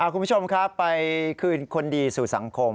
คุณผู้ชมครับไปคืนคนดีสู่สังคม